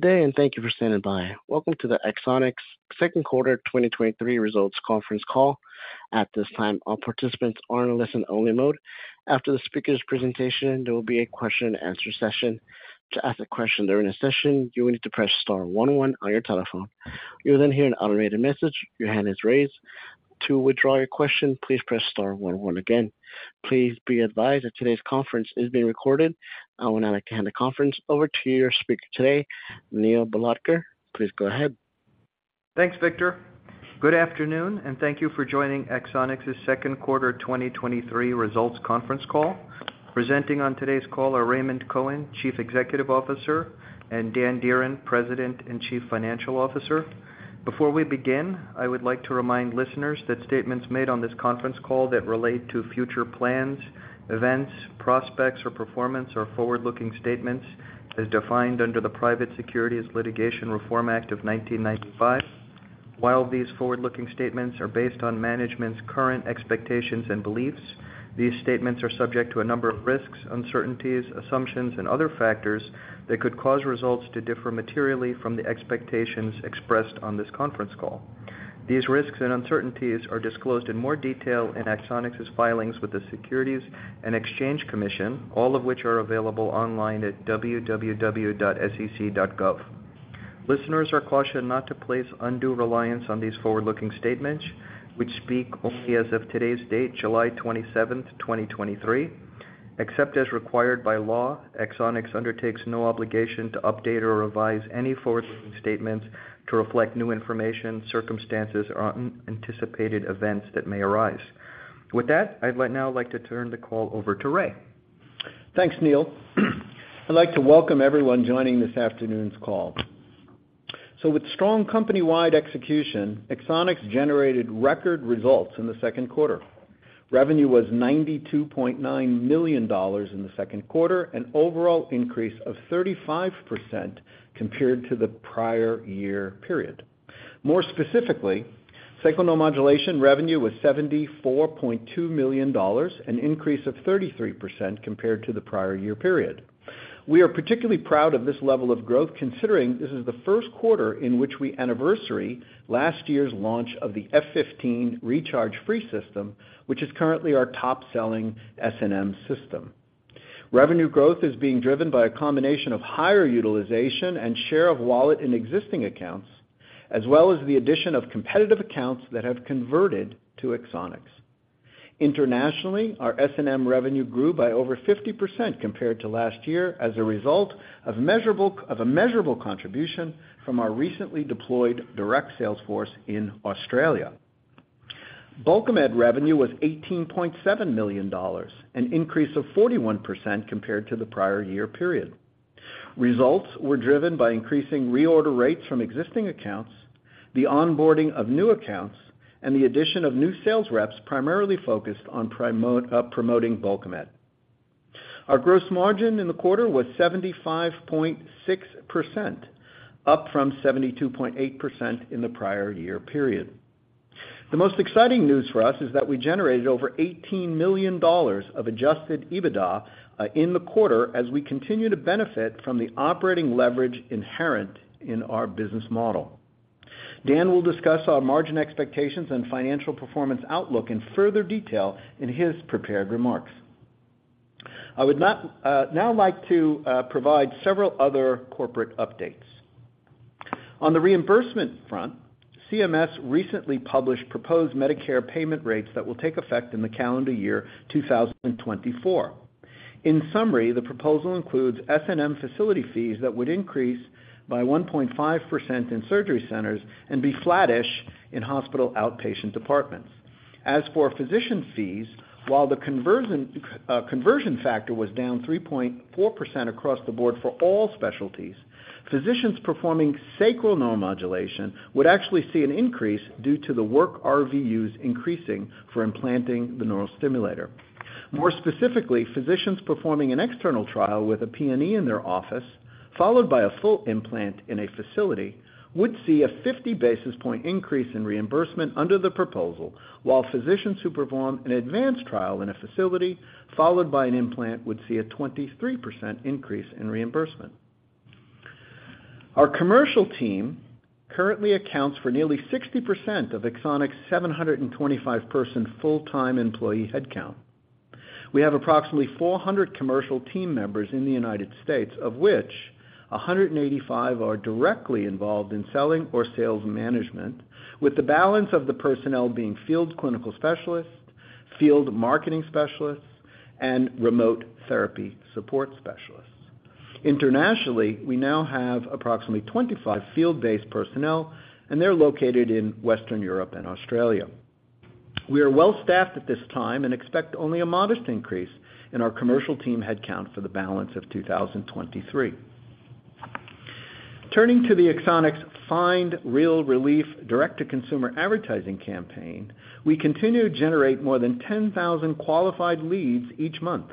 Good day, thank you for standing by. Welcome to the Axonics' Q2 2023 results conference call. At this time, all participants are in a listen-only mode. After the speaker's presentation, there will be a question-and-answer session. To ask a question during the session, you will need to press star one one on your telephone. You'll hear an automated message, your hand is raised. To withdraw your question, please press star one one again. Please be advised that today's conference is being recorded. I want to hand the conference over to your speaker today, Neil Bhalodkar. Please go ahead. Thanks, Victor. Good afternoon, thank you for joining Axonics' Q2 2023 results conference call. Presenting on today's call are Raymond Cohen, Chief Executive Officer, and Dan Dearen, President and Chief Financial Officer. Before we begin, I would like to remind listeners that statements made on this conference call that relate to future plans, events, prospects, or performance are forward-looking statements as defined under the Private Securities Litigation Reform Act of 995. While these forward-looking statements are based on management's current expectations and beliefs, these statements are subject to a number of risks, uncertainties, assumptions, and other factors that could cause results to differ materially from the expectations expressed on this conference call. These risks and uncertainties are disclosed in more detail in Axonics' filings with the Securities and Exchange Commission, all of which are available online at www.sec.gov. Listeners are cautioned not to place undue reliance on these forward-looking statements, which speak only as of today's date, July 27th, 2023. Except as required by law, Axonics undertakes no obligation to update or revise any forward-looking statements to reflect new information, circumstances, or anticipated events that may arise. With that, I'd now like to turn the call over to Ray. Thanks, Neil. I'd like to welcome everyone joining this afternoon's call. With strong company-wide execution, Axonics generated record results in the Q2. Revenue was $92.9 million in the Q2, an overall increase of 35% compared to the prior-year period. More specifically, Sacral Neuromodulation revenue was $74.2 million, an increase of 33% compared to the prior-year period. We are particularly proud of this level of growth, considering this is the Q1 in which we anniversary last year's launch of the F15 Recharge-Free System, which is currently our top-selling SNM system. Revenue growth is being driven by a combination of higher utilization and share of wallet in existing accounts, as well as the addition of competitive accounts that have converted to Axonics. Internationally, our SNM revenue grew by over 50% compared to last year, as a result of a measurable contribution from our recently deployed direct sales force in Australia. Bulkamid revenue was $18.7 million, an increase of 41% compared to the prior year period. Results were driven by increasing reorder rates from existing accounts, the onboarding of new accounts, and the addition of new sales reps, primarily focused on promoting Bulkamid. Our gross margin in the quarter was 75.6%, up from 72.8% in the prior year period. The most exciting news for us is that we generated over $18 million of adjusted EBITDA in the quarter as we continue to benefit from the operating leverage inherent in our business model. Dan will discuss our margin expectations and financial performance outlook in further detail in his prepared remarks. I would now like to provide several other corporate updates. On the reimbursement front, CMS recently published proposed Medicare payment rates that will take effect in the calendar year 2024. In summary, the proposal includes S&M facility fees that would increase by 1.5% in surgery centers and be flattish in hospital outpatient departments. As for physician fees, while the conversion factor was down 3.4% across the board for all specialties, physicians performing sacral neuromodulation would actually see an increase due to the work RVUs increasing for implanting the neural stimulator. More specifically, physicians performing an external trial with a PNE in their office, followed by a full implant in a facility, would see a 50 basis point increase in reimbursement under the proposal, while physicians who perform an advanced trial in a facility, followed by an implant, would see a 23% increase in reimbursement. Our commercial team currently accounts for nearly 60% of Axonics' 725 person full-time employee headcount. We have approximately 400 commercial team members in the United States, of which 185 are directly involved in selling or sales management, with the balance of the personnel being field clinical specialists, field marketing specialists, and remote therapy support specialists. Internationally, we now have approximately 25 field-based personnel, they're located in Western Europe and Australia. We are well staffed at this time and expect only a modest increase in our commercial team headcount for the balance of 2023. Turning to the Axonics Find Real Relief direct-to-consumer advertising campaign, we continue to generate more than 10,000 qualified leads each month.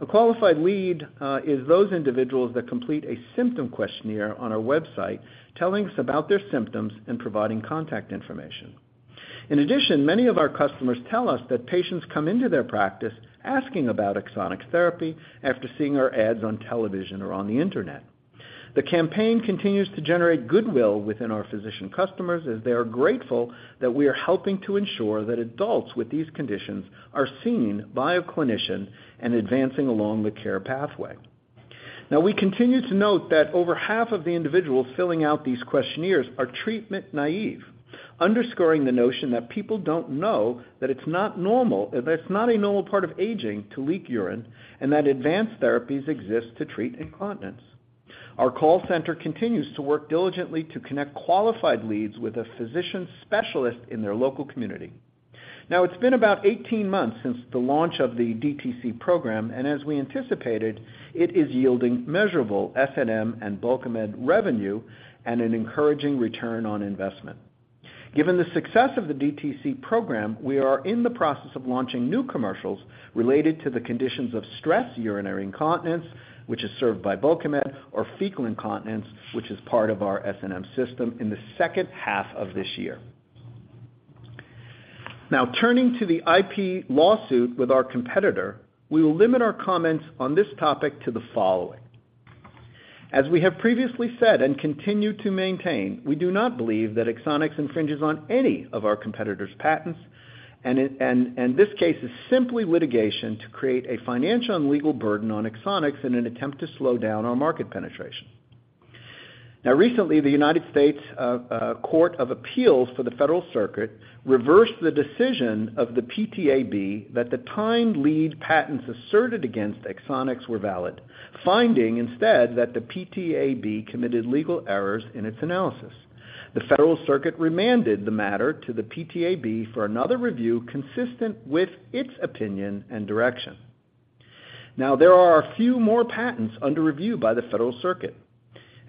A qualified lead is those individuals that complete a symptom questionnaire on our website, telling us about their symptoms and providing contact information. In addition, many of our customers tell us that patients come into their practice asking about Axonics therapy after seeing our ads on television or on the internet. The campaign continues to generate goodwill within our physician customers, as they are grateful that we are helping to ensure that adults with these conditions are seen by a clinician and advancing along the care pathway. We continue to note that over half of the individuals filling out these questionnaires are treatment naive, underscoring the notion that people don't know that it's not a normal part of aging to leak urine, and that advanced therapies exist to treat incontinence. Our call center continues to work diligently to connect qualified leads with a physician specialist in their local community. It's been about 18 months since the launch of the DTC program, and as we anticipated, it is yielding measurable SNM and Bulkamid revenue and an encouraging return on investment. Given the success of the DTC program, we are in the process of launching new commercials related to the conditions of stress urinary incontinence, which is served by Bulkamid, or fecal incontinence, which is part of our SNM system, in the second half of this year. Turning to the IP lawsuit with our competitor, we will limit our comments on this topic to the following. As we have previously said and continue to maintain, we do not believe that Axonics infringes on any of our competitor's patents, and this case is simply litigation to create a financial and legal burden on Axonics in an attempt to slow down our market penetration. Recently, the United States Court of Appeals for the Federal Circuit reversed the decision of the PTAB that the tined lead patents asserted against Axonics were valid, finding instead that the PTAB committed legal errors in its analysis. The Federal Circuit remanded the matter to the PTAB for another review, consistent with its opinion and direction. Now, there are a few more patents under review by the Federal Circuit,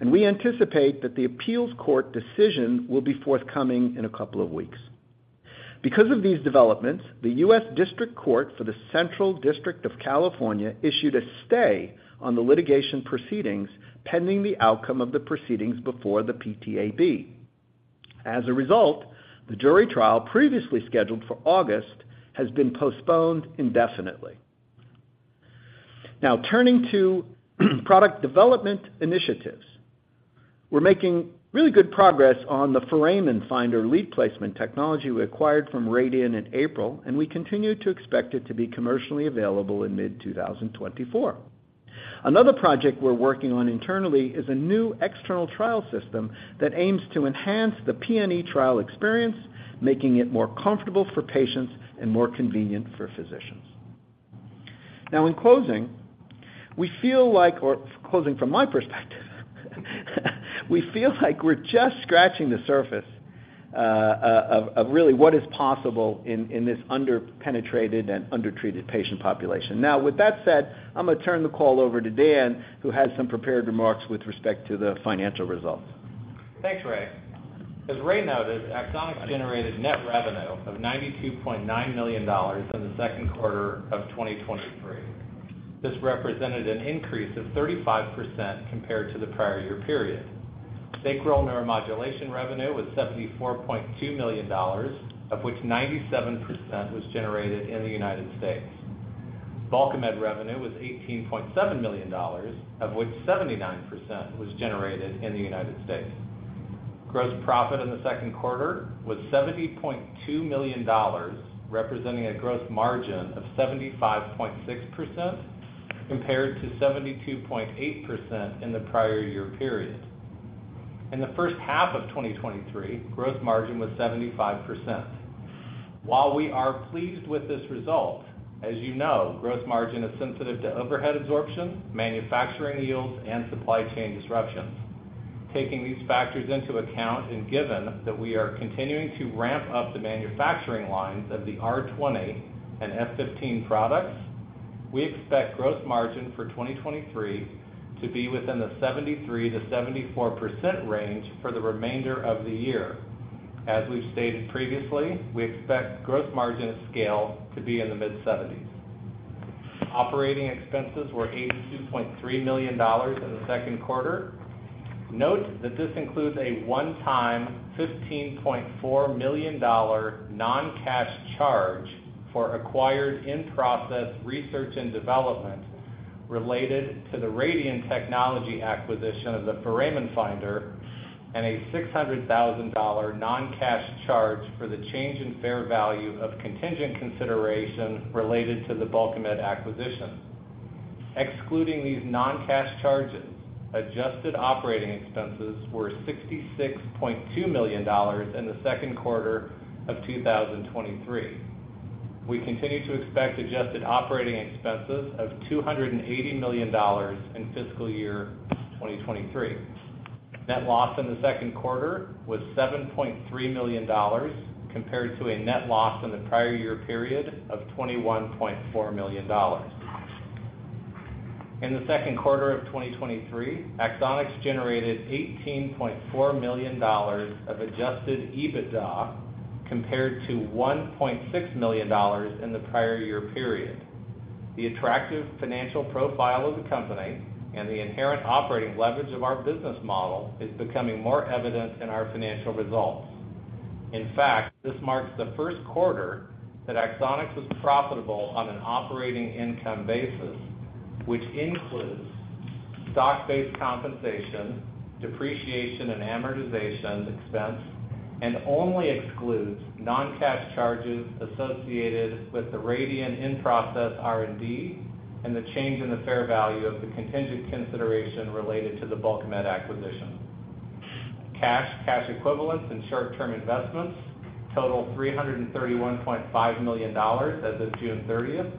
and we anticipate that the appeals court decision will be forthcoming in a couple of weeks. Because of these developments, the U.S. District Court for the Central District of California issued a stay on the litigation proceedings pending the outcome of the proceedings before the PTAB. As a result, the jury trial previously scheduled for August has been postponed indefinitely. Now, turning to product development initiatives. We're making really good progress on the Foramen Finder lead placement technology we acquired from Radian in April, and we continue to expect it to be commercially available in mid-2024. Another project we're working on internally is a new external trial system that aims to enhance the PNE trial experience, making it more comfortable for patients and more convenient for physicians. Now, in closing, we feel like... Closing from my perspective, we feel like we're just scratching the surface of really what is possible in this under-penetrated and undertreated patient population. With that said, I'm gonna turn the call over to Dan, who has some prepared remarks with respect to the financial results. Thanks, Ray. As Ray noted, Axonics generated net revenue of $92.9 million in the Q2 of 2023. This represented an increase of 35% compared to the prior year period. Sacral neuromodulation revenue was $74.2 million, of which 97% was generated in the United States. Bulkamid revenue was $18.7 million, of which 79% was generated in the United States. Gross profit in the Q2 was $70.2 million, representing a gross margin of 75.6%, compared to 72.8% in the prior year period. In the first half of 2023, gross margin was 75%. While we are pleased with this result, as you know, gross margin is sensitive to overhead absorption, manufacturing yields, and supply chain disruptions. Taking these factors into account, given that we are continuing to ramp up the manufacturing lines of the R20 and S15 products, we expect gross margin for 2023 to be within the 73%-74% range for the remainder of the year. As we've stated previously, we expect gross margin at scale to be in the mid-70s. Operating expenses were $82.3 million in the Q2. Note that this includes a one-time $15.4 million non-cash charge for acquired in-process research and development related to the Radian technology acquisition of the Foramen Finder, and a $600,000 non-cash charge for the change in fair value of contingent consideration related to the Bulkamid acquisition. Excluding these non-cash charges, adjusted operating expenses were $66.2 million in the Q2 of 2023. We continue to expect adjusted operating expenses of $280 million in fiscal year 2023. Net loss in the Q2 was $7.3 million, compared to a net loss in the prior year period of $21.4 million. In the Q2 of 2023, Axonics generated $18.4 million of adjusted EBITDA, compared to $1.6 million in the prior year period.... The attractive financial profile of the company and the inherent operating leverage of our business model is becoming more evident in our financial results. In fact, this marks the Q1 that Axonics was profitable on an operating income basis, which includes stock-based compensation, depreciation and amortization expense, and only excludes non-cash charges associated with the Radian in-process R&D and the change in the fair value of the contingent consideration related to the Bulkamid acquisition. Cash, cash equivalents, and short-term investments total $331.5 million as of June 30th.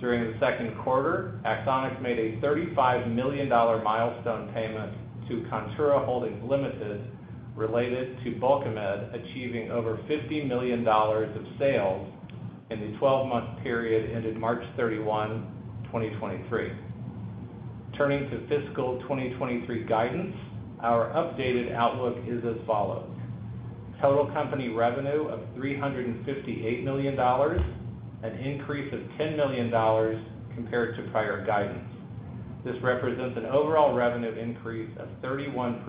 During the Q2, Axonics made a $35 million milestone payment to Contoura Holdings Limited, related to Bulkamid, achieving over $50 million of sales in the 12-month period ended March 31, 2023. Turning to fiscal 2023 guidance, our updated outlook is as follows: total company revenue of $358 million, an increase of $10 million compared to prior guidance. This represents an overall revenue increase of 31%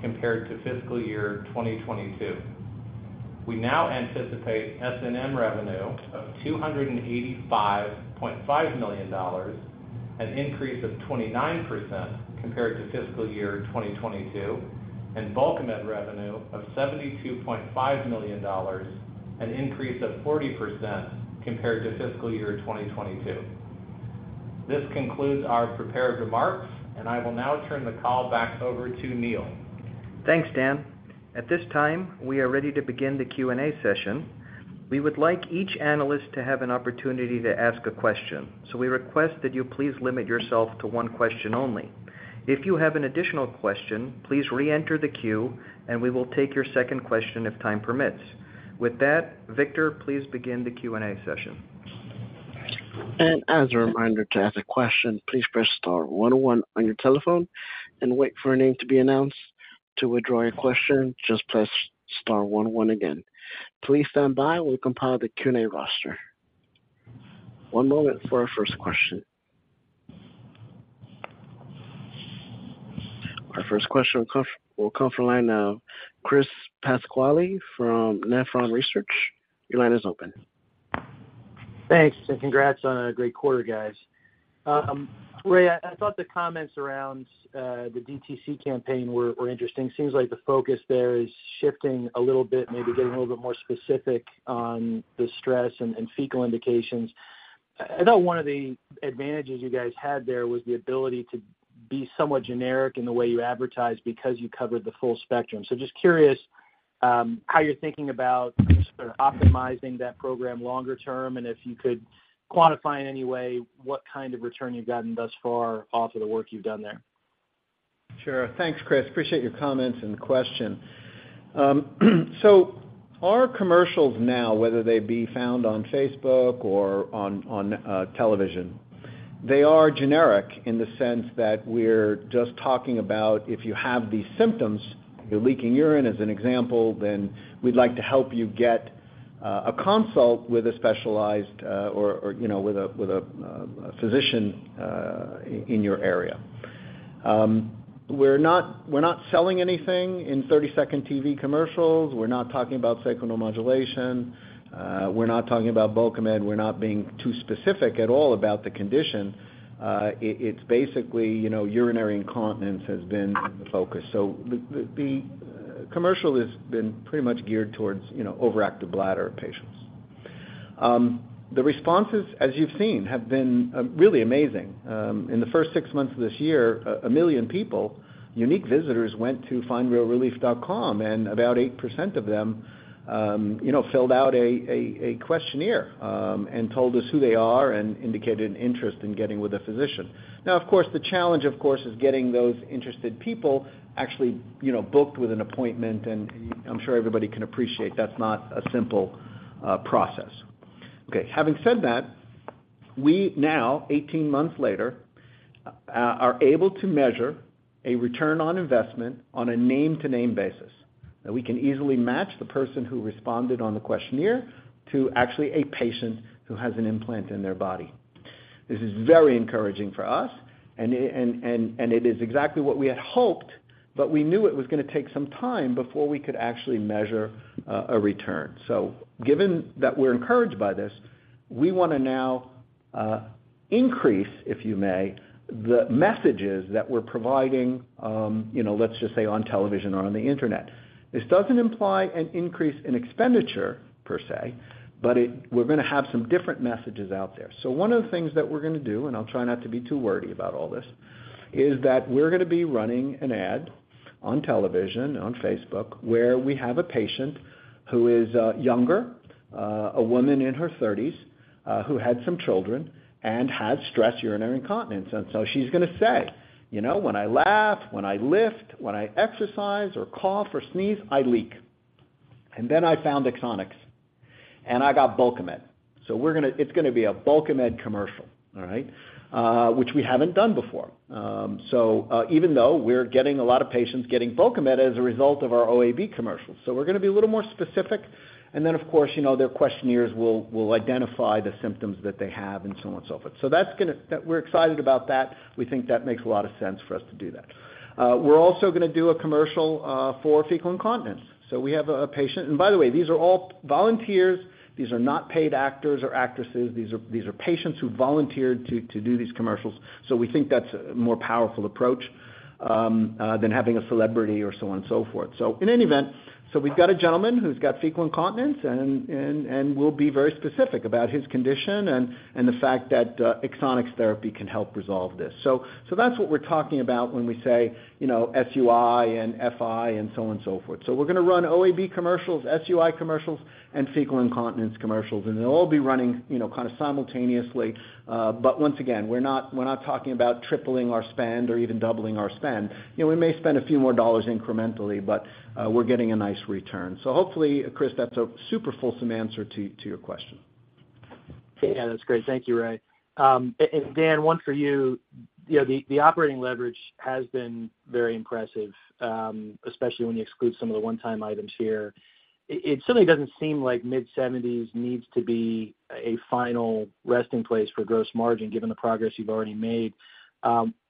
compared to fiscal year 2022. We now anticipate S&M revenue of $285.5 million, an increase of 29% compared to fiscal year 2022, and Bulkamid revenue of $72.5 million, an increase of 40% compared to fiscal year 2022. This concludes our prepared remarks, and I will now turn the call back over to Neil. Thanks, Dan. At this time, we are ready to begin the Q&A session. We would like each analyst to have an opportunity to ask a question, we request that you please limit yourself to one question only. If you have an additional question, please reenter the queue, we will take your second question if time permits. With that, Victor, please begin the Q&A session. As a reminder, to ask a question, please press star one, one on your telephone and wait for a name to be announced. To withdraw your question, just press star one one again. Please stand by while we compile the Q&A roster. One moment for our first question. Our first question will come from line of Chris Pasquale from Nephron Research. Your line is open. Thanks. Congrats on a great quarter, guys. Ray, I, I thought the comments around the DTC campaign were, were interesting. Seems like the focus there is shifting a little bit, maybe getting a little bit more specific on the stress and, and fecal indications. I, I know one of the advantages you guys had there was the ability to be somewhat generic in the way you advertise because you covered the full spectrum. Just curious, how you're thinking about sort of optimizing that program longer term, and if you could quantify in any way what kind of return you've gotten thus far off of the work you've done there? Sure. Thanks, Chris. Appreciate your comments and question. Our commercials now, whether they be found on Facebook or on television, they are generic in the sense that we're just talking about if you have these symptoms, you're leaking urine, as an example, then we'd like to help you get a consult with a specialized or, or, you know, with a, with a physician in your area. We're not, we're not selling anything in 30-second TV commercials. We're not talking about sacral neuromodulation, we're not talking about Bulkamid. We're not being too specific at all about the condition. It's basically, you know, urinary incontinence has been the focus. The commercial has been pretty much geared towards, you know, overactive bladder patients. The responses, as you've seen, have been really amazing. In the first six months of this year, 1 million people, unique visitors, went to findrealrelief.com, and about 8% of them, you know, filled out a questionnaire and told us who they are and indicated an interest in getting with a physician. Of course, the challenge, of course, is getting those interested people actually, you know, booked with an appointment, and I'm sure everybody can appreciate that's not a simple process. Okay, having said that, we now, 18 months later, are able to measure a return on investment on a name-to-name basis. We can easily match the person who responded on the questionnaire to actually a patient who has an implant in their body. This is very encouraging for us. It is exactly what we had hoped, but we knew it was gonna take some time before we could actually measure a return. Given that we're encouraged by this, we wanna now increase, if you may, the messages that we're providing, you know, let's just say, on television or on the internet. This doesn't imply an increase in expenditure per se, but we're gonna have some different messages out there. One of the things that we're gonna do, and I'll try not to be too wordy about all this, is that we're gonna be running an ad on television, on Facebook, where we have a patient who is younger, a woman in her thirties, who had some children and has stress urinary incontinence. She's gonna say: You know, when I laugh, when I lift, when I exercise or cough or sneeze, I leak. Then I found Axonics, and I got Bulkamid. It's gonna be a Bulkamid commercial, all right? Which we haven't done before. Even though we're getting a lot of patients getting Bulkamid as a result of our OAB commercial. We're gonna be a little more specific, and then, of course, you know, their questionnaires will identify the symptoms that they have and so on and so forth. We're excited about that. We think that makes a lot of sense for us to do that. We're also gonna do a commercial for fecal incontinence. We have a patient. By the way, these are all volunteers. These are not paid actors or actresses. These are, these are patients who volunteered to, to do these commercials. We think that's a more powerful approach than having a celebrity or so on and so forth. In any event, so we've got a gentleman who's got fecal incontinence and, and, and we'll be very specific about his condition and, and the fact that Axonics therapy can help resolve this. That's what we're talking about when we say, you know, SUI and FI, and so on and so forth. We're gonna run OAB commercials, SUI commercials, and fecal incontinence commercials, and they'll all be running, you know, kind of simultaneously. Once again, we're not, we're not talking about tripling our spend or even doubling our spend. You know, we may spend a few more dollars incrementally, but we're getting a nice return. Hopefully, Chris, that's a super fulsome answer to, to your question. Yeah, that's great. Thank you, Ray. Dan, 1 for you. You know, the operating leverage has been very impressive, especially when you exclude some of the one-time items here. It certainly doesn't seem like mid-70s needs to be a final resting place for gross margin, given the progress you've already made.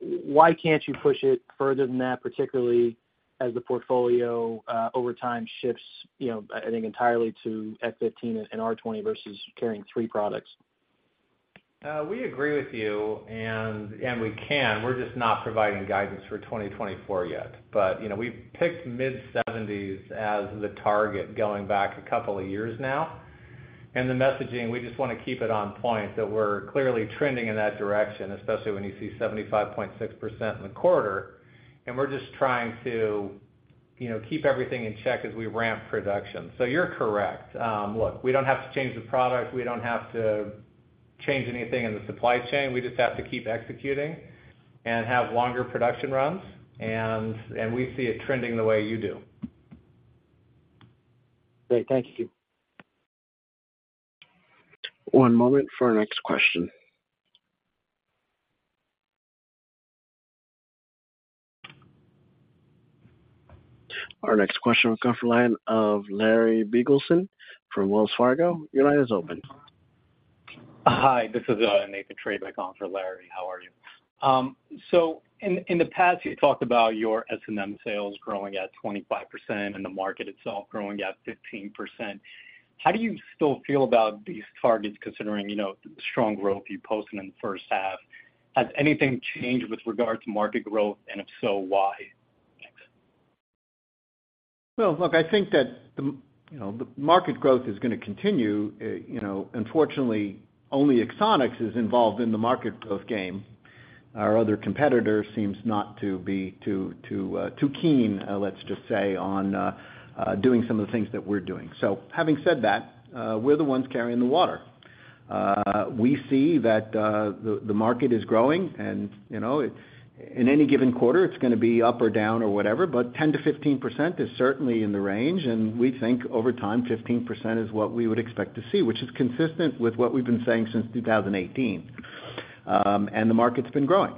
Why can't you push it further than that, particularly as the portfolio over time shifts, you know, I think, entirely to F15 and R20 versus carrying 3 products? We agree with you, and we can. We're just not providing guidance for 2024 yet. You know, we've picked mid-70s as the target going back a couple of years now. The messaging, we just wanna keep it on point, that we're clearly trending in that direction, especially when you see 75.6% in the quarter. We're just trying to, you know, keep everything in check as we ramp production. You're correct. Look, we don't have to change the product. We don't have to change anything in the supply chain. We just have to keep executing and have longer production runs, and we see it trending the way you do. Great. Thank you. One moment for our next question. Our next question will come from line of Larry Biegelsen from Wells Fargo. Your line is open. Hi, this is Nathan Treybeck on for Larry, how are you? In, in the past, you talked about your S&M sales growing at 25% and the market itself growing at 15%. How do you still feel about these targets, considering, you know, the strong growth you posted in the first half? Has anything changed with regard to market growth, and if so, why? Thanks. Well, look, I think that the, you know, the market growth is gonna continue. You know, unfortunately, only Axonics is involved in the market growth game. Our other competitor seems not to be too, too keen, let's just say, on doing some of the things that we're doing. Having said that, we're the ones carrying the water. We see that the, the market is growing, and, you know, in any given quarter, it's gonna be up or down or whatever, but 10%-15% is certainly in the range, and we think over time, 15% is what we would expect to see, which is consistent with what we've been saying since 2018. The market's been growing.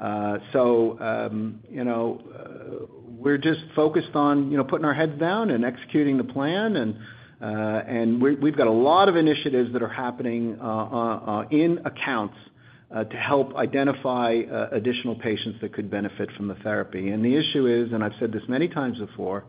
You know, we're just focused on, you know, putting our heads down and executing the plan, and we've got a lot of initiatives that are happening in accounts to help identify additional patients that could benefit from the therapy. The issue is, and I've said this many times before,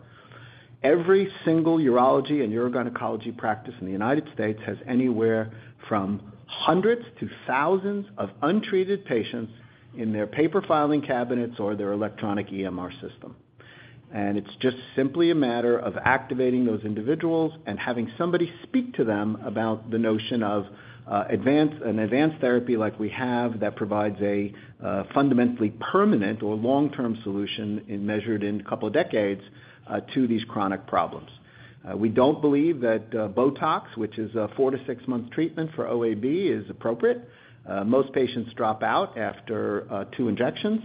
every single urology and urogynecology practice in the United States has anywhere from hundreds to thousands of untreated patients in their paper filing cabinets or their electronic EMR system. It's just simply a matter of activating those individuals and having somebody speak to them about the notion of an advanced therapy like we have, that provides a fundamentally permanent or long-term solution, and measured in 2 decades, to these chronic problems. We don't believe that Botox, which is a four to six-month treatment for OAB, is appropriate. Most patients drop out after two injections.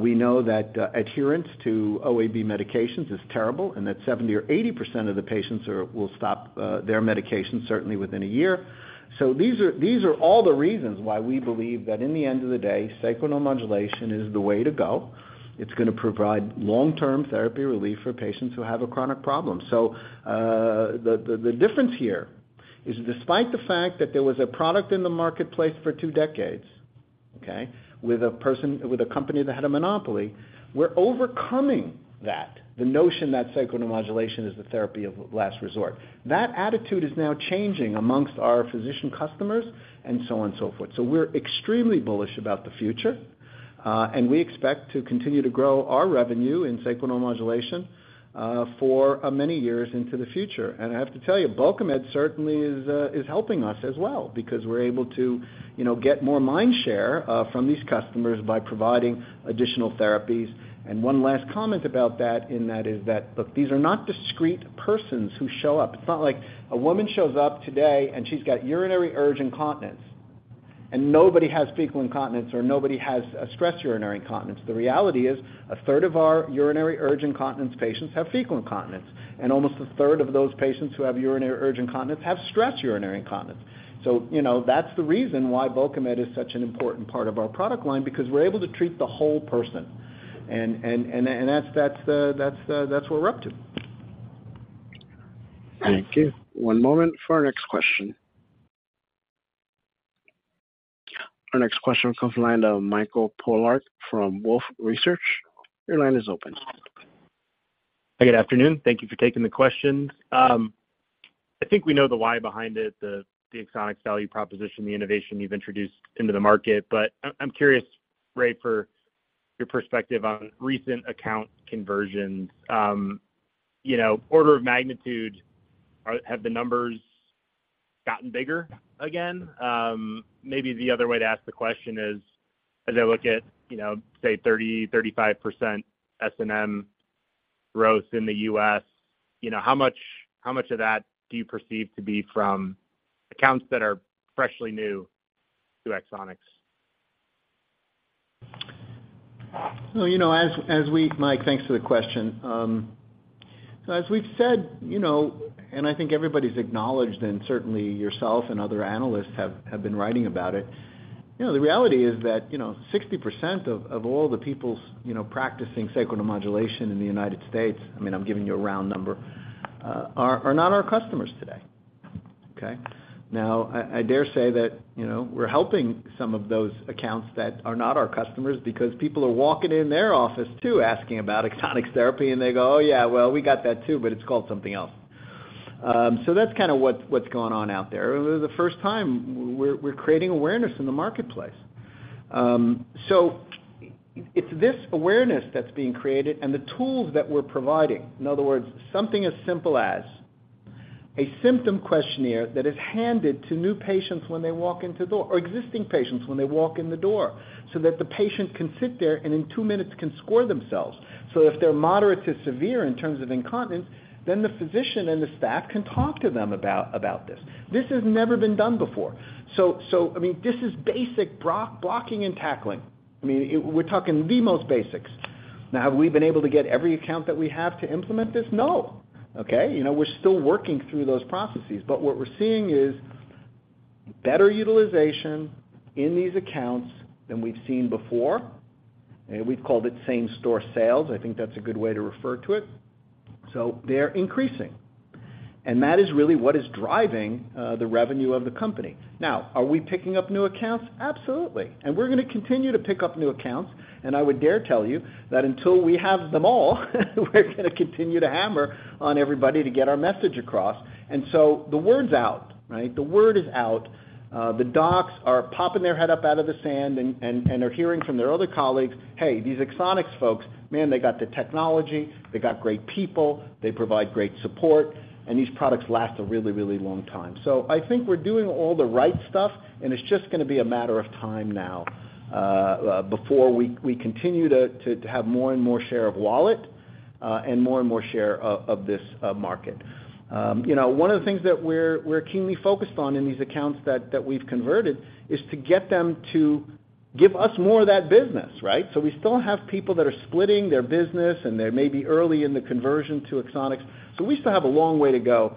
We know that adherence to OAB medications is terrible, and that 70% or 80% of the patients will stop their medication, certainly within a year. These are, these are all the reasons why we believe that in the end of the day, sacral neuromodulation is the way to go. It's gonna provide long-term therapy relief for patients who have a chronic problem. The difference here is, despite the fact that there was a product in the marketplace for two decades, okay, with a company that had a monopoly, we're overcoming that, the notion that sacral neuromodulation is the therapy of last resort. That attitude is now changing amongst our physician customers and so on and so forth. We're extremely bullish about the future, and we expect to continue to grow our revenue in Sacral Neuromodulation for many years into the future. I have to tell you, Bulkamid certainly is helping us as well, because we're able to, you know, get more mind share from these customers by providing additional therapies. One last comment about that, and that is that, look, these are not discrete persons who show up. It's not like a woman shows up today, and she's got urinary urge incontinence. Nobody has fecal incontinence or nobody has a stress urinary incontinence. The reality is, a third of our urinary urge incontinence patients have fecal incontinence, and almost a third of those patients who have urinary urge incontinence have stress urinary incontinence. You know, that's the reason why Bulkamid is such an important part of our product line, because we're able to treat the whole person. That's, that's the, that's the, that's what we're up to. Thank you. One moment for our next question. Our next question comes from the line of Michael Polark from Wolfe Research. Your line is open. Good afternoon. Thank you for taking the questions. I think we know the why behind it, the Axonics value proposition, the innovation you've introduced into the market. But I'm curious, Ray, for your perspective on recent account conversions. You know, order of magnitude, have the numbers gotten bigger again? Maybe the other way to ask the question is, as I look at, you know, say, 30-35% SNM growth in the U.S., you know, how much, how much of that do you perceive to be from accounts that are freshly new to Axonics? Well, you know, Mike, thanks for the question. As we've said, you know, and I think everybody's acknowledged, and certainly yourself and other analysts have, have been writing about it, you know, the reality is that, you know, 60% of, of all the peoples, you know, practicing Sacral Neuromodulation in the United States, I mean, I'm giving you a round number, are, are not our customers today, okay? Now, I, I dare say that, you know, we're helping some of those accounts that are not our customers because people are walking in their office, too, asking about Axonics therapy, and they go, "Oh, yeah, well, we got that, too, but it's called something else." That's kind of what's, what's going on out there. For the first time, we're, we're creating awareness in the marketplace. It's this awareness that's being created and the tools that we're providing. In other words, something as simple as a symptom questionnaire that is handed to new patients when they walk into the door, or existing patients when they walk in the door, so that the patient can sit there and in two minutes can score themselves. If they're moderate to severe in terms of incontinence, then the physician and the staff can talk to them about, about this. This has never been done before. I mean, this is basic block, blocking and tackling. I mean, we're talking the most basics. Now, have we been able to get every account that we have to implement this? No. Okay, you know, we're still working through those processes, but what we're seeing is better utilization in these accounts than we've seen before. We've called it same-store sales. I think that's a good way to refer to it. They're increasing, and that is really what is driving the revenue of the company. Are we picking up new accounts? Absolutely. We're gonna continue to pick up new accounts, and I would dare tell you that until we have them all, we're gonna continue to hammer on everybody to get our message across. The word's out, right? The word is out. The docs are popping their head up out of the sand and they're hearing from their other colleagues: "Hey, these Axonics folks, man, they got the technology, they got great people, they provide great support, and these products last a really, really long time." I think we're doing all the right stuff, and it's just gonna be a matter of time now before we continue to have more and more share of wallet and more and more share of this market. You know, one of the things that we're keenly focused on in these accounts that we've converted is to get them to give us more of that business, right? We still have people that are splitting their business, and they may be early in the conversion to Axonics, so we still have a long way to go,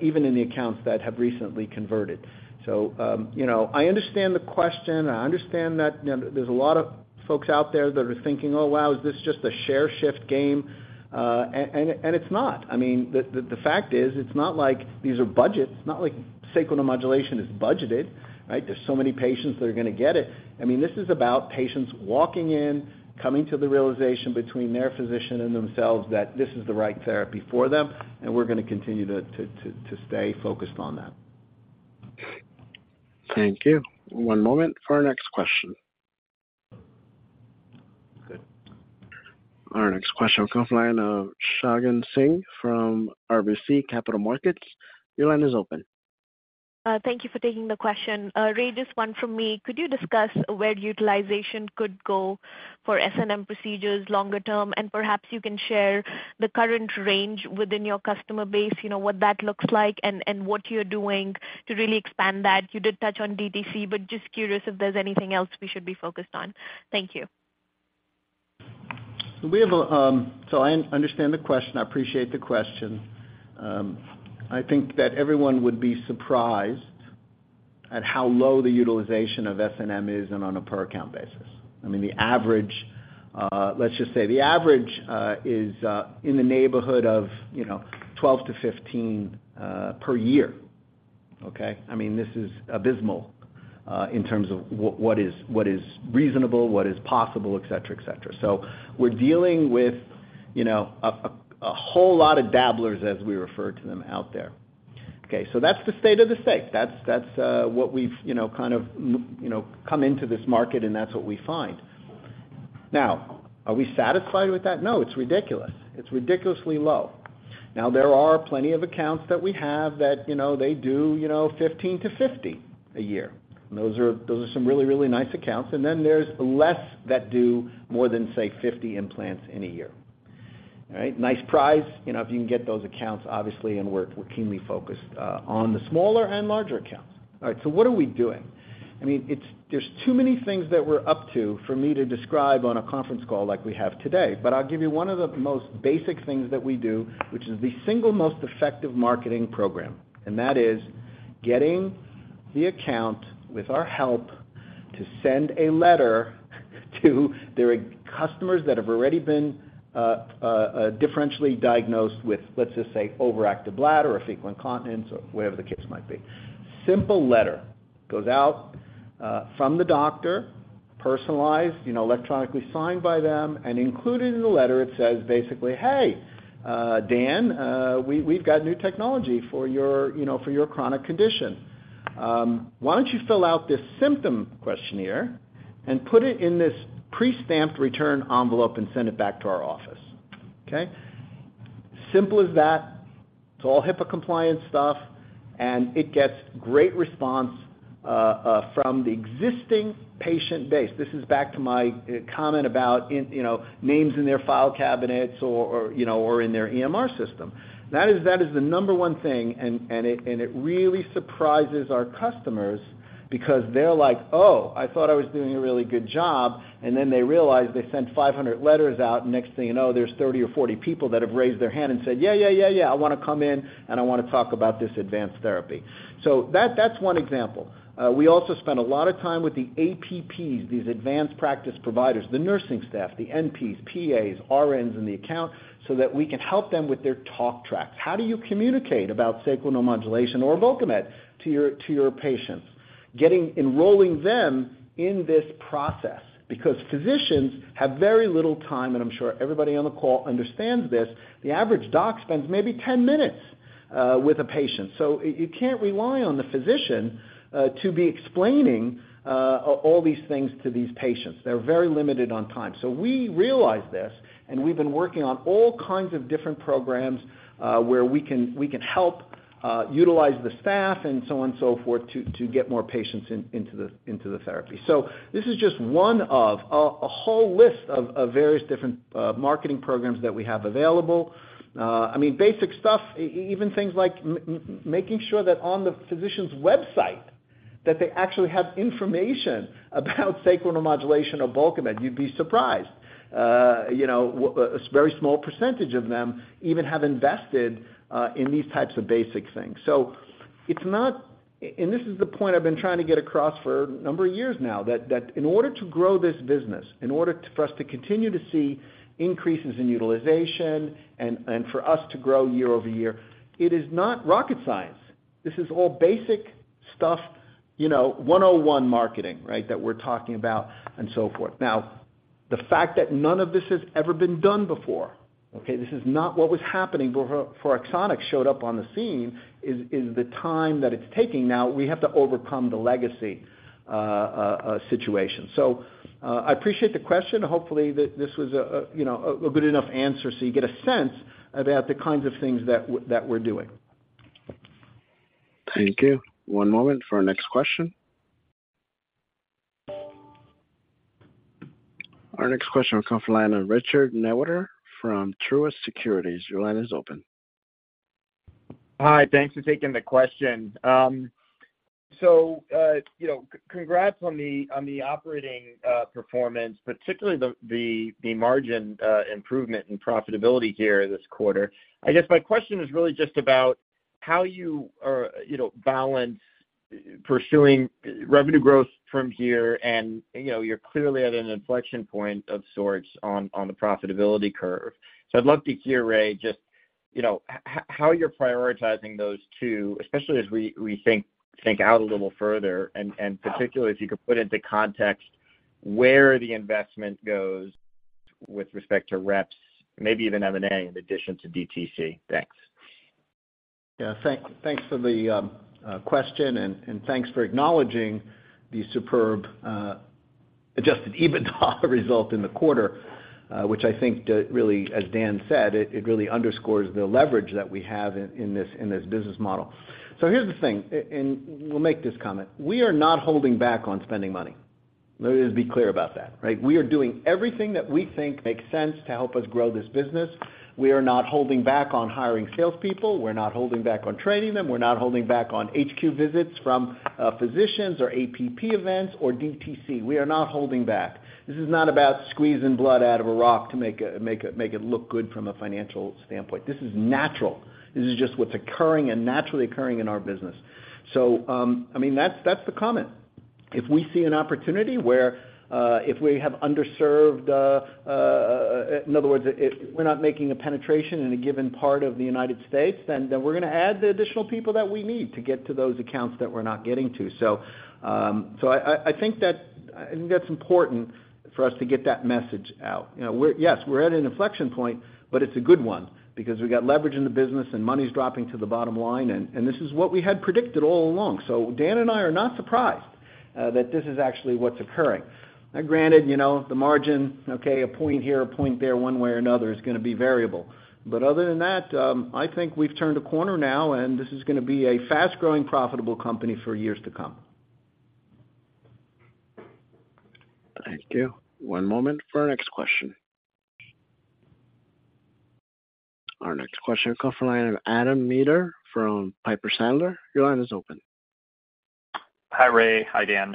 even in the accounts that have recently converted. You know, I understand the question, and I understand that, you know, there's a lot of folks out there that are thinking, "Oh, wow, is this just a share shift game?" It's not. I mean, the fact is, it's not like these are budgets. It's not like sacral neuromodulation is budgeted, right? There's so many patients that are gonna get it. I mean, this is about patients walking in, coming to the realization between their physician and themselves, that this is the right therapy for them, and we're gonna continue to stay focused on that. Thank you. One moment for our next question. Our next question comes from the line of Shagun Singh from RBC Capital Markets. Your line is open. Thank you for taking the question. Ray, this one from me. Could you discuss where utilization could go for SNM procedures longer term? Perhaps you can share the current range within your customer base, you know, what that looks like, and what you're doing to really expand that. You did touch on DTC, but just curious if there's anything else we should be focused on. Thank you. I understand the question. I appreciate the question. I think that everyone would be surprised at how low the utilization of SNM is and on a per account basis. I mean, the average, let's just say the average, is in the neighborhood of, you know, 12-15 per year. I mean, this is abysmal in terms of what, what is, what is reasonable, what is possible, et cetera, et cetera. We're dealing with, you know, a whole lot of dabblers, as we refer to them, out there. That's the state of the state. That's, that's what we've, you know, kind of, you know, come into this market, and that's what we find. Now, are we satisfied with that? No, it's ridiculous. It's ridiculously low. Now, there are plenty of accounts that we have that, you know, they do, you know, 15 to 50 a year, and those are, those are some really, really nice accounts. There's less that do more than, say, 50 implants in a year. All right, nice prize, you know, if you can get those accounts, obviously, and we're, we're keenly focused on the smaller and larger accounts. All right, what are we doing? I mean, there's too many things that we're up to for me to describe on a conference call like we have today. I'll give you one of the most basic things that we do, which is the single most effective marketing program, and that is getting the account, with our help, to send a letter to their customers that have already been differentially diagnosed with, let's just say, overactive bladder or fecal incontinence, or whatever the case might be. Simple letter goes out from the doctor, personalized, you know, electronically signed by them. Included in the letter, it says, basically, "Hey, Dan, we've got new technology for your, you know, for your chronic condition. Why don't you fill out this symptom questionnaire and put it in this pre-stamped return envelope and send it back to our office?" Okay? Simple as that. It's all HIPAA-compliant stuff, and it gets great response from the existing patient base. This is back to my comment about in, you know, names in their file cabinets or, or, you know, or in their EMR system. That is, that is the number 1 thing, and it, and it really surprises our customers because they're like, "Oh, I thought I was doing a really good job." They realize they sent 500 letters out, and next thing you know, there's 30 or 40 people that have raised their hand and said, "Yeah, yeah, yeah, yeah, I wanna come in, and I wanna talk about this advanced therapy." That, that's 1 example. We also spend a lot of time with the APPs, these advanced practice providers, the nursing staff, the NPs, PAs, RNs in the account, so that we can help them with their talk tracks. How do you communicate about Sacral Neuromodulation or Bulkamid to your, to your patients? Enrolling them in this process because physicians have very little time, and I'm sure everybody on the call understands this. The average doc spends maybe 10 minutes with a patient. You can't rely on the physician to be explaining all these things to these patients. They're very limited on time. We realize this, and we've been working on all kinds of different programs where we can, we can help utilize the staff and so on and so forth, to, to get more patients in, into the, into the therapy. This is just one of a, a whole list of, of various different marketing programs that we have available. I mean, basic stuff, even things like making sure that on the physician's website, that they actually have information about Sacral Neuromodulation or Bulkamid. You'd be surprised, you know, a very small percentage of them even have invested in these types of basic things. It's not... And this is the point I've been trying to get across for a number of years now, that in order to grow this business, for us to continue to see increases in utilization and for us to grow year-over-year, it is not rocket science. This is all basic stuff, you know, 101 marketing, right, that we're talking about and so forth. Now, the fact that none of this has ever been done before, okay, this is not what was happening before, before Axonics showed up on the scene, is the time that it's taking now, we have to overcome the legacy, situation. I appreciate the question. Hopefully, this was a, you know, a good enough answer, so you get a sense about the kinds of things that we're doing. Thank you. One moment for our next question. Our next question will come from the line of Richard Newitter from Truist Securities. Your line is open. Hi, thanks for taking the question. You know, congrats on the, on the operating performance, particularly the, the, the margin improvement in profitability here this quarter. I guess my question is really just about how you are, you know, balance pursuing revenue growth from here, and, you know, you're clearly at an inflection point of sorts on, on the profitability curve. I'd love to hear, Ray, just, you know, how you're prioritizing those two, especially as we, we think, think out a little further, and, and particularly, if you could put into context where the investment goes with respect to reps, maybe even M&A, in addition to DTC. Thanks. Yeah. Thank, thanks for the question, and, and thanks for acknowledging the superb adjusted EBITDA result in the quarter, which I think really, as Dan said, it, it really underscores the leverage that we have in, in this, in this business model. So here's the thing, and we'll make this comment. We are not holding back on spending money. Let us be clear about that, right? We are doing everything that we think makes sense to help us grow this business. We are not holding back on hiring salespeople. We're not holding back on training them. We're not holding back on HQ visits from physicians or APP events or DTC. We are not holding back. This is not about squeezing blood out of a rock to make it, make it look good from a financial standpoint. This is natural. This is just what's occurring and naturally occurring in our business. I mean, that's, that's the comment. If we see an opportunity where, if we have underserved, in other words, if we're not making a penetration in a given part of the United States, then we're gonna add the additional people that we need to get to those accounts that we're not getting to. I, I, I think that, I think that's important for us to get that message out. You know, yes, we're at an inflection point, but it's a good one because we've got leverage in the business, and money's dropping to the bottom line, and this is what we had predicted all along. Dan and I are not surprised, that this is actually what's occurring. Granted, you know, the margin, okay, a point here, a point there, one way or another, is gonna be variable. Other than that, I think we've turned a corner now, and this is gonna be a fast-growing, profitable company for years to come. Thank you. One moment for our next question. Our next question comes from the line of Adam Maeder from Piper Sandler. Your line is open. Hi, Ray. Hi, Dan.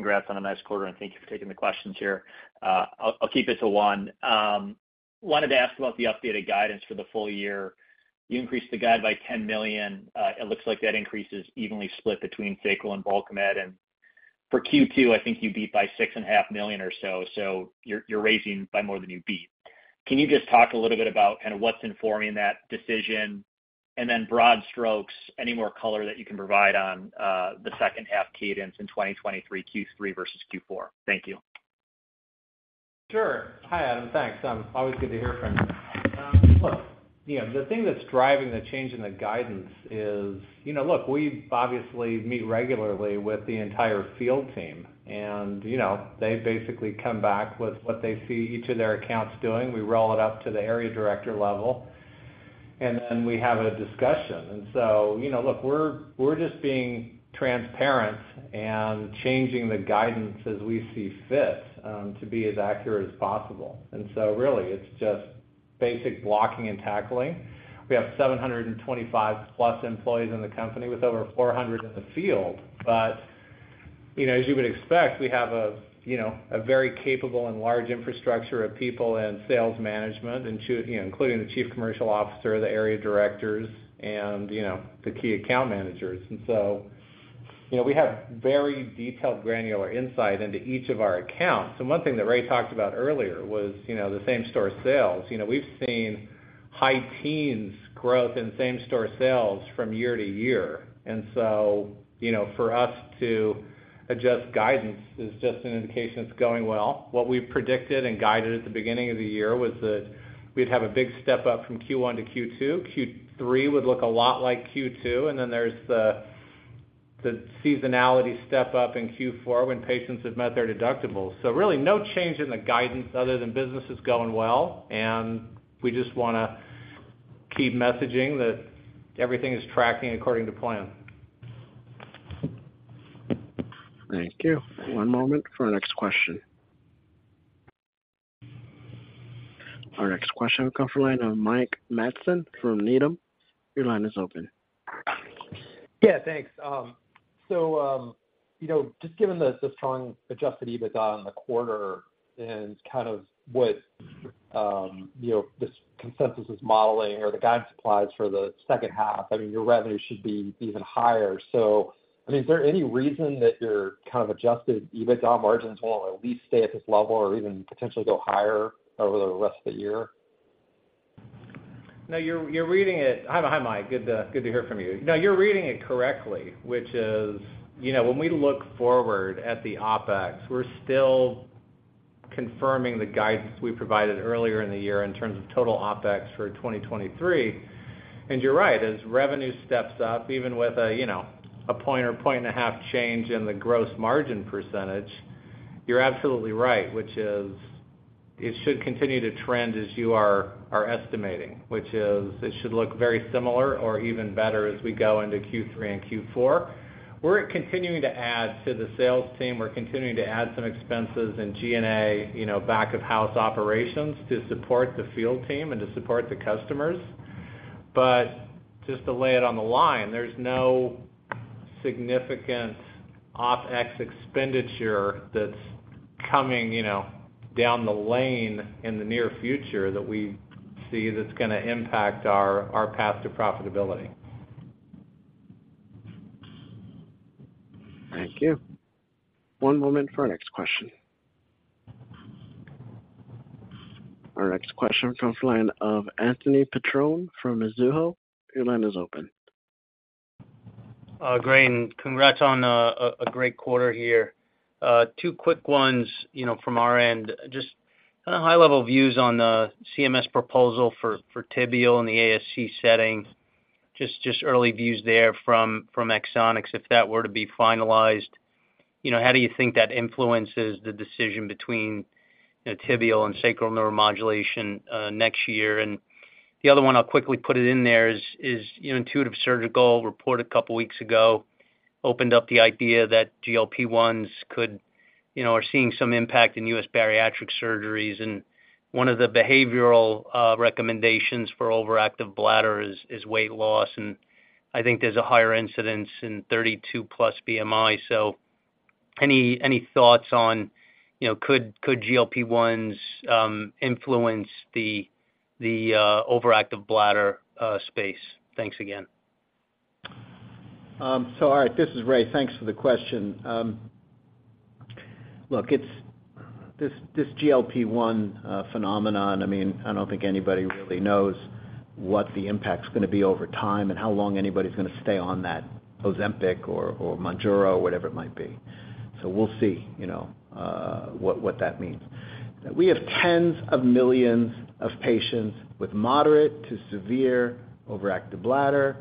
Congrats on a nice quarter, and thank you for taking the questions here. I'll, I'll keep it to one. Wanted to ask about the updated guidance for the full year. You increased the guide by $10 million. It looks like that increase is evenly split between Sacral and Bulkamid. For Q2, I think you beat by $6.5 million or so, so you're, you're raising by more than you beat. Can you just talk a little bit about kind of what's informing that decision? Then broad strokes, any more color that you can provide on the second half cadence in 2023, Q3 versus Q4? Thank you. Sure. Hi, Adam. Thanks. Always good to hear from you. Look, you know, the thing that's driving the change in the guidance is... You know, look, we obviously meet regularly with the entire field team, and, you know, they basically come back with what they see each of their accounts doing. We roll it up to the area director level, and then we have a discussion. You know, look, we're, we're just being transparent and changing the guidance as we see fit, to be as accurate as possible. Really, it's just basic blocking and tackling. We have 725 plus employees in the company, with over 400 in the field. You know, as you would expect, we have a, you know, a very capable and large infrastructure of people and sales management, including the chief commercial officer, the area directors, and, you know, the key account managers. You know, we have very detailed, granular insight into each of our accounts. One thing that Ray talked about earlier was, you know, the same-store sales. You know, we've seen high teens growth in same-store sales from year to year. You know, for us to adjust guidance is just an indication it's going well. What we predicted and guided at the beginning of the year was that we'd have a big step up from Q1 to Q2. Q3 would look a lot like Q2, and then there's the, the seasonality step up in Q4 when patients have met their deductibles. Really no change in the guidance other than business is going well, and we just wanna keep messaging that everything is tracking according to plan. Thank you. One moment for our next question. Our next question will come from the line of Mike Matson from Needham. Your line is open. Yeah, thanks. You know, just given the, the strong adjusted EBITDA in the quarter and kind of what, you know, this consensus is modeling or the guidance applies for the second half, I mean, your revenue should be even higher. I mean, is there any reason that your kind of adjusted EBITDA margins won't at least stay at this level or even potentially go higher over the rest of the year? No, you're reading it. Hi, Mike. Good to hear from you. No, you're reading it correctly, which is, you know, when we look forward at the OpEx, we're still confirming the guidance we provided earlier in the year in terms of total OpEx for 2023. You're right, as revenue steps up, even with a, you know, a 1 or 1.5 change in the gross margin percentage, you're absolutely right, which is, it should continue to trend as you are estimating, which is it should look very similar or even better as we go into Q3 and Q4. We're continuing to add to the sales team. We're continuing to add some expenses in G&A, you know, back-of-house operations to support the field team and to support the customers. Just to lay it on the line, there's no significant OpEx expenditure that's coming, you know, down the lane in the near future that we see that's gonna impact our, our path to profitability. Thank you. One moment for our next question. Our next question comes from the line of Anthony Petrone from Mizuho. Your line is open. Congrats on a, a great quarter here. 2 quick ones, you know, from our end. Just kinda high-level views on the CMS proposal for, for tibial in the ASC setting. Just early views there from Axonics. If that were to be finalized, you know, how do you think that influences the decision between, you know, tibial and sacral neuromodulation next year? The other one, I'll quickly put it in there, is, you know, Intuitive Surgical reported a couple of weeks ago, opened up the idea that GLP-1s could, you know, are seeing some impact in U.S. bariatric surgeries, and one of the behavioral recommendations for overactive bladder is weight loss. I think there's a higher incidence in 32 plus BMI. Any, any thoughts on, you know, could, could GLP-1s influence the overactive bladder space? Thanks again. All right, this is Ray. Thanks for the question. Look, it's this GLP-1 phenomenon. I mean, I don't think anybody really knows what the impact's gonna be over time and how long anybody's gonna stay on that Ozempic or Mounjaro, or whatever it might be. We'll see, you know, what that means. We have tens of millions of patients with moderate to severe overactive bladder.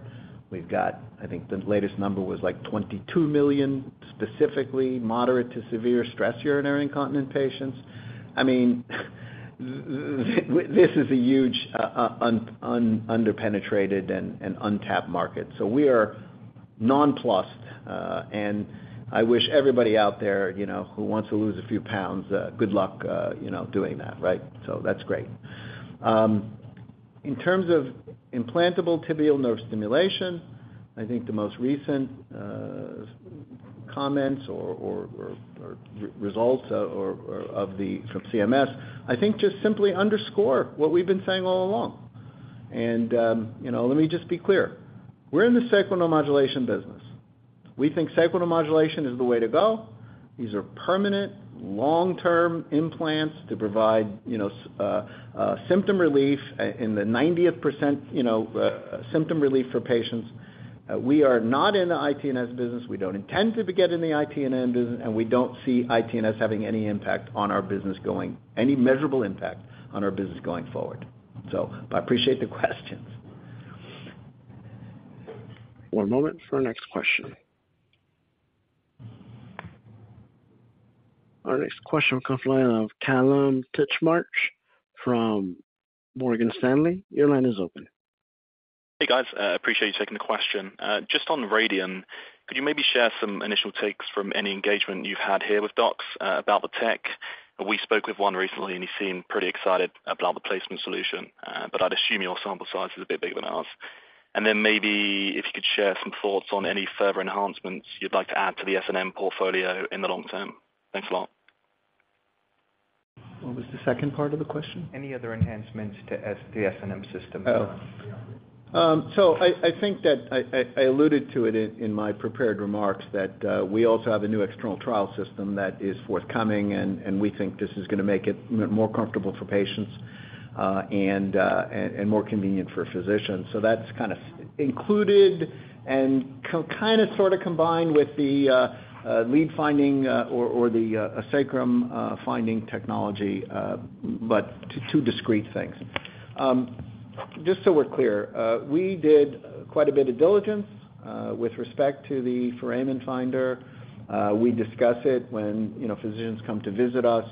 We've got. I think the latest number was, like, 22 million, specifically moderate to severe stress urinary incontinence patients. I mean, this is a huge underpenetrated and untapped market. We are.... nonplussed, and I wish everybody out there, you know, who wants to lose a few pounds, good luck, you know, doing that, right? That's great. In terms of implantable tibial nerve stimulation, I think the most recent comments or results from CMS, I think just simply underscore what we've been saying all along. You know, let me just be clear: We're in the sacral neuromodulation business. We think sacral neuromodulation is the way to go. These are permanent, long-term implants to provide, you know, symptom relief, in the 90th percent, you know, symptom relief for patients. We are not in the ITNS business. We don't intend to be getting in the ITNS business, and we don't see ITNS having any impact on our business, any measurable impact on our business going forward. I appreciate the questions. One moment for our next question. Our next question will come from the line of Kallum Titchmarsh from Morgan Stanley. Your line is open. Hey, guys, appreciate you taking the question. Just on Radian, could you maybe share some initial takes from any engagement you've had here with docs about the tech? We spoke with one recently, he seemed pretty excited about the placement solution, but I'd assume your sample size is a bit bigger than ours. Then maybe if you could share some thoughts on any further enhancements you'd like to add to the SNM portfolio in the long term. Thanks a lot. What was the second part of the question? Any other enhancements to the SNM system. I think that I alluded to it in my prepared remarks, that we also have a new external trial system that is forthcoming, and we think this is gonna make it more comfortable for patients and more convenient for physicians. That's kind of included and kind of, sort of combined with the lead finding or the sacrum finding technology, 2 discrete things. Just so we're clear, we did quite a bit of diligence with respect to the Foramen Finder. We discuss it when, you know, physicians come to visit us,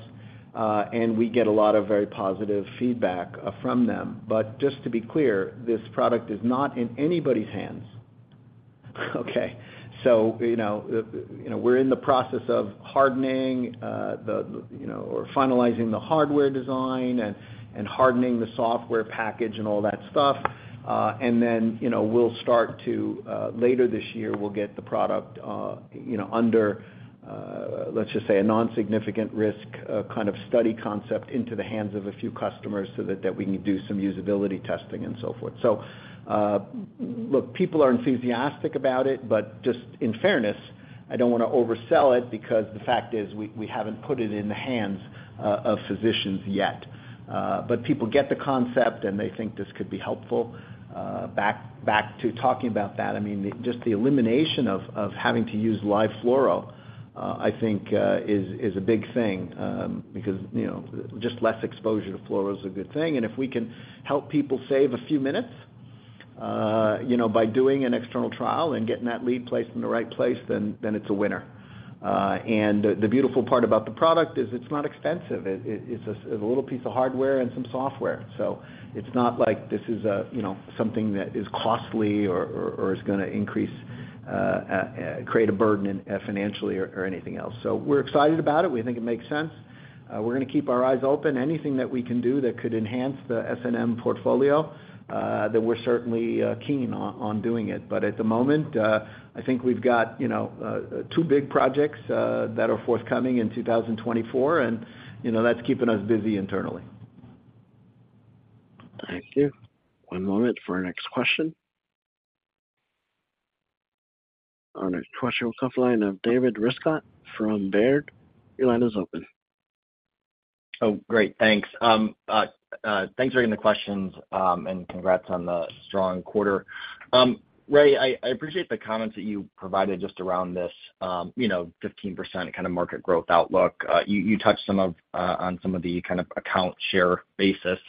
and we get a lot of very positive feedback from them. Just to be clear, this product is not in anybody's hands. Okay? You know, you know, we're in the process of hardening, the, you know, or finalizing the hardware design and hardening the software package and all that stuff. You know, we'll start to, later this year, we'll get the product, you know, under, let's just say, a non-significant risk, kind of study concept into the hands of a few customers so that we can do some usability testing and so forth. Look, people are enthusiastic about it, but just in fairness, I don't wanna oversell it because the fact is, we haven't put it in the hands, of physicians yet. People get the concept, and they think this could be helpful. Back, back to talking about that, I mean, the just the elimination of, of having to use live fluoro, I think, is, is a big thing, because, you know, just less exposure to fluoro is a good thing. If we can help people save a few minutes, you know, by doing an external trial and getting that lead placed in the right place, then, then it's a winner. The, the beautiful part about the product is it's not expensive. It, it's a, it's a little piece of hardware and some software. It's not like this is a, you know, something that is costly or, or, or is gonna increase, create a burden in, financially or, or anything else. We're excited about it. We think it makes sense. We're gonna keep our eyes open. Anything that we can do that could enhance the SNM portfolio, then we're certainly keen on, on doing it. At the moment, I think we've got, you know, two big projects that are forthcoming in 2024, and, you know, that's keeping us busy internally. Thank you. One moment for our next question. Our next question will come from the line of David Rescott from Baird. Your line is open. Oh, great, thanks. Thanks for taking the questions and congrats on the strong quarter. Ray, I appreciate the comments that you provided just around this, you know, 15% kind of market growth outlook. You touched some of on some of the kind of account share basis,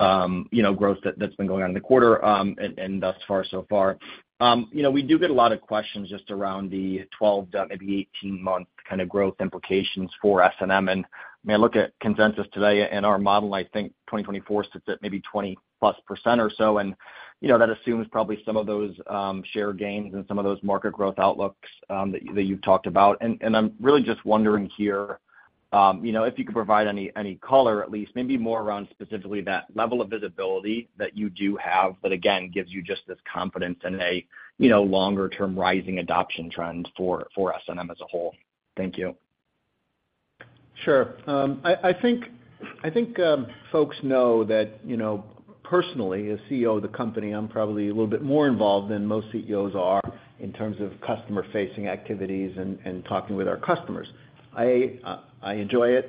you know, growth that that's been going on in the quarter and thus far, so far. You know, we do get a lot of questions just around the 12, maybe 18-month kind of growth implications for SNM. When I look at consensus today and our model, I think 2024 sits at maybe 20%+ or so, and, you know, that assumes probably some of those share gains and some of those market growth outlooks that that you've talked about. I'm really just wondering here, you know, if you could provide any, any color, at least maybe more around specifically that level of visibility that you do have, that again, gives you just this confidence in a, you know, longer-term rising adoption trend for, for SNM as a whole. Thank you. Sure. I, I think, I think, folks know that, you know, personally, as CEO of the company, I'm probably a little bit more involved than most CEOs are in terms of customer-facing activities and, and talking with our customers. A, I enjoy it.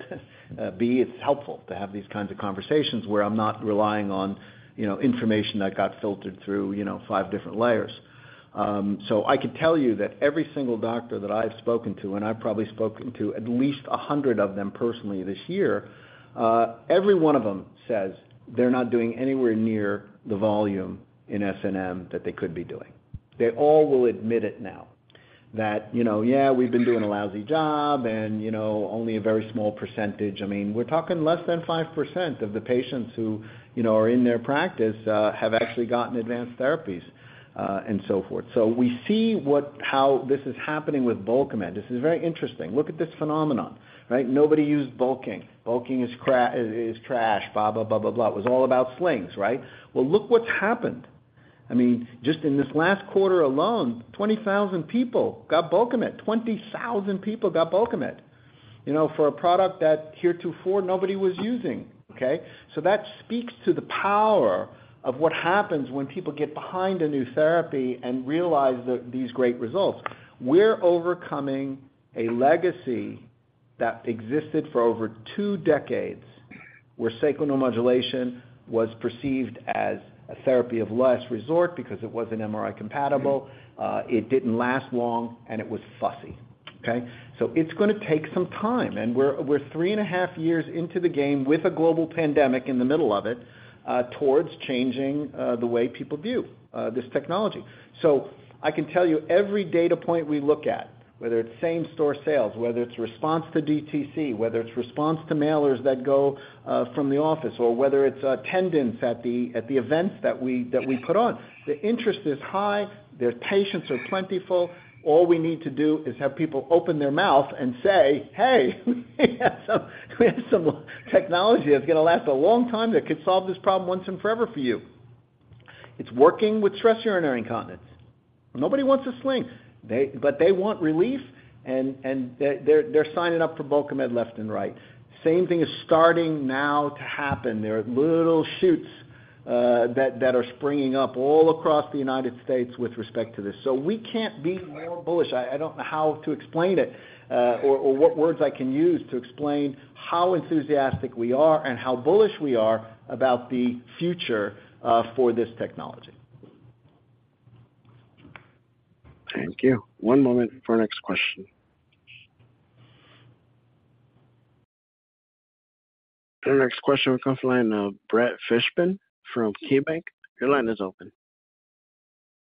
B, it's helpful to have these kinds of conversations where I'm not relying on, you know, information that got filtered through, you know, 5 different layers. I can tell you that every single doctor that I've spoken to, and I've probably spoken to at least 100 of them personally this year, every one of them says they're not doing anywhere near the volume in SNM that they could be doing. They all will admit it now... that, you know, yeah, we've been doing a lousy job and, you know, only a very small percentage. I mean, we're talking less than 5% of the patients who, you know, are in their practice, have actually gotten advanced therapies, and so forth. We see what how this is happening with Bulkamid. This is very interesting. Look at this phenomenon, right? Nobody used bulking. Bulking is, is trash, blah, blah, blah, blah, blah. It was all about slings, right? Well, look what's happened. I mean, just in this last quarter alone, 20,000 people got Bulkamid. 20,000 people got Bulkamid, you know, for a product that heretofore nobody was using, okay? That speaks to the power of what happens when people get behind a new therapy and realize the, these great results. We're overcoming a legacy that existed for over two decades, where Sacral Neuromodulation was perceived as a therapy of last resort because it wasn't MRI compatible, it didn't last long, and it was fussy, okay? It's gonna take some time, and we're, we're three and a half years into the game with a global pandemic in the middle of it, towards changing the way people view this technology. I can tell you every data point we look at, whether it's same-store sales, whether it's response to DTC, whether it's response to mailers that go from the office, or whether it's attendance at the, at the events that we, that we put on, the interest is high, their patients are plentiful. All we need to do is have people open their mouth and say, "Hey, we have some technology that's gonna last a long time, that could solve this problem once and forever for you." It's working with stress urinary incontinence. Nobody wants a sling. They. They want relief, and they're signing up for Bulkamid left and right. Same thing is starting now to happen. There are little shoots that are springing up all across the United States with respect to this. We can't be more bullish. I, I don't know how to explain it, or what words I can use to explain how enthusiastic we are and how bullish we are about the future for this technology. Thank you. One moment for our next question. Our next question comes from the line of Brett Fishbin from KeyBanc. Your line is open.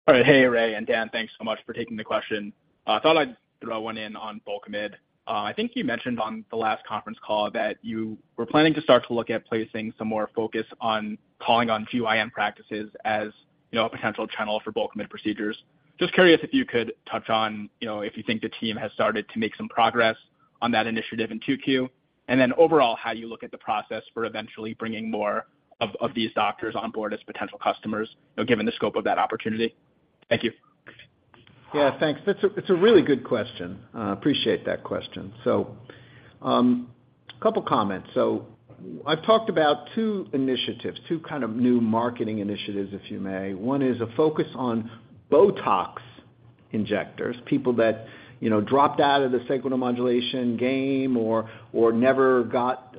All right. Hey, Ray and Dan, thanks so much for taking the question. I thought I'd throw one in on Bulkamid. I think you mentioned on the last conference call that you were planning to start to look at placing some more focus on calling on GYN practices as, you know, a potential channel for Bulkamid procedures. Just curious if you could touch on, you know, if you think the team has started to make some progress on that initiative in 2Q, and then overall, how you look at the process for eventually bringing more of these doctors on board as potential customers, you know, given the scope of that opportunity? Thank you. Yeah, thanks. That's a really good question. Appreciate that question. Couple comments. I've talked about two initiatives, two kind of new marketing initiatives, if you may. One is a focus on Botox injectors, people that, you know, dropped out of the sacral neuromodulation game or never got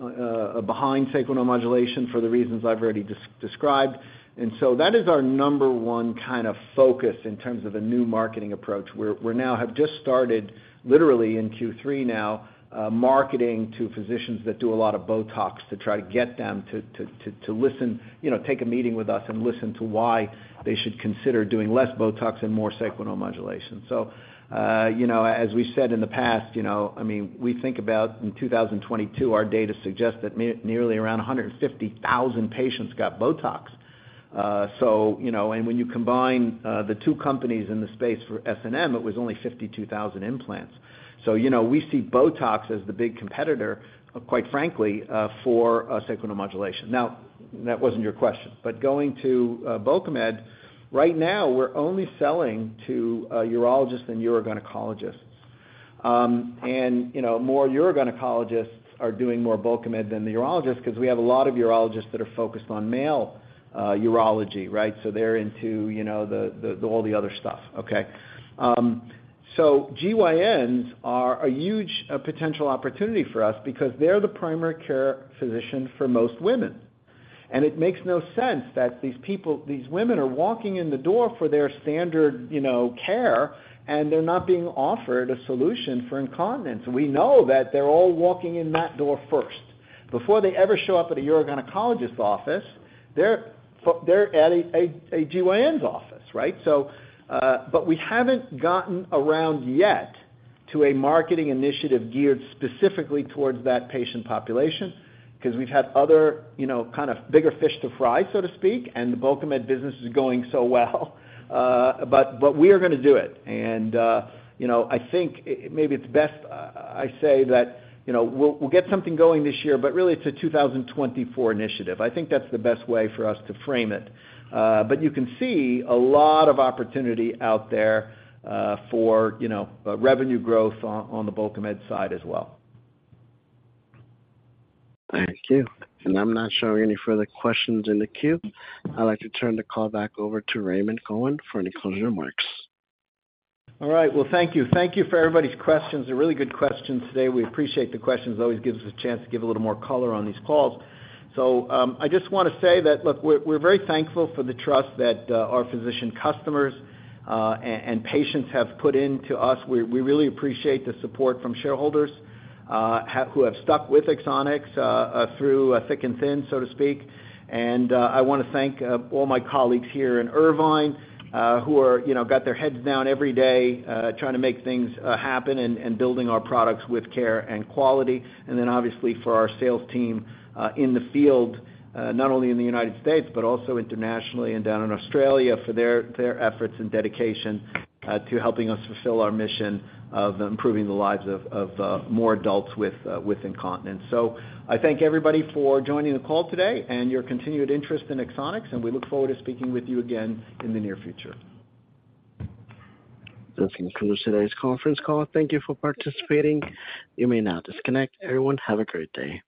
behind sacral neuromodulation for the reasons I've already described. That is our number one kind of focus in terms of a new marketing approach. We now have just started, literally in Q3 now, marketing to physicians that do a lot of Botox to try to get them to listen, you know, take a meeting with us and listen to why they should consider doing less Botox and more sacral neuromodulation. you know, as we said in the past, you know, I mean, we think about in 2022, our data suggests that nearly around 150,000 patients got Botox. you know, and when you combine the two companies in the space for SNM, it was only 52,000 implants. you know, we see Botox as the big competitor, quite frankly, for sacral neuromodulation. Now, that wasn't your question, but going to Bulkamid, right now, we're only selling to urologists and urogynecologists. you know, more urogynecologists are doing more Bulkamid than the urologists because we have a lot of urologists that are focused on male urology, right? they're into, you know, all the other stuff, okay? GYNs are a huge potential opportunity for us because they're the primary care physician for most women, and it makes no sense that these women are walking in the door for their standard, you know, care, and they're not being offered a solution for incontinence. We know that they're all walking in that door first. Before they ever show up at a urogynecologist office, they're at a GYN's office, right? We haven't gotten around yet to a marketing initiative geared specifically towards that patient population because we've had other, you know, kind of bigger fish to fry, so to speak, and the Bulkamid business is going so well. We are gonna do it. You know, I think maybe it's best I, I say that, you know, we'll, we'll get something going this year, but really, it's a 2024 initiative. I think that's the best way for us to frame it. But you can see a lot of opportunity out there, for, you know, revenue growth on, on the Bulkamid side as well. Thank you. I'm not showing any further questions in the queue. I'd like to turn the call back over to Raymond Cohen for any closing remarks. All right. Well, thank you. Thank you for everybody's questions. They're really good questions today. We appreciate the questions. It always gives us a chance to give a little more color on these calls. I just wanna say that, look, we're, we're very thankful for the trust that our physician customers and patients have put into us. We, we really appreciate the support from shareholders who have stuck with Axonics through thick and thin, so to speak. I wanna thank all my colleagues here in Irvine who are, you know, got their heads down every day trying to make things happen and, and building our products with care and quality. Obviously, for our sales team, in the field, not only in the United States, but also internationally and down in Australia, for their, their efforts and dedication, to helping us fulfill our mission of improving the lives of, of, more adults with, with incontinence. I thank everybody for joining the call today and your continued interest in Axonics, and we look forward to speaking with you again in the near future. This concludes today's conference call. Thank you for participating. You may now disconnect. Everyone, have a great day.